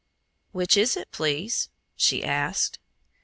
"Which is it, please?" she asked.